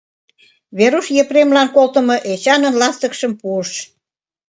Веруш Епремлан колтымо Эчанын ластыкшым пуыш.